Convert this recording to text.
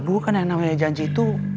bukan yang namanya janji itu